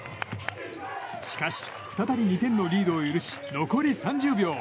しかし再び２点のリードを許し残り３０秒。